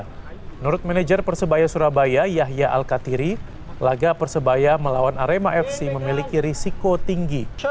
menurut manajer persebaya surabaya yahya al katiri laga persebaya melawan arema fc memiliki risiko tinggi